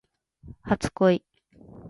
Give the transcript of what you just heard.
初恋